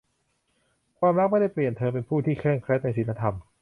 ความรักไม่ได้เปลี่ยนเธอเป็นผู้ที่เคร่งครัดในศีลธรรม